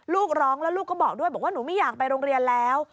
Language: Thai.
ลูกร้องแล้วลูกก็บอกด้วยบอกว่าหนูไม่อยากไปโรงเรียนแล้ว